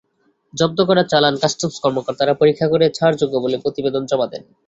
জব্দ করা চালান কাস্টমস কর্মকর্তারা পরীক্ষা করে ছাড়যোগ্য বলে প্রতিবেদন জমা দেন।